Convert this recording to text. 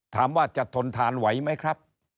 ถามว่าจะทนทานไหวไหมครับ